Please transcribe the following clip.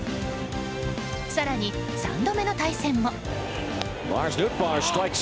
更に、３度目の対戦も。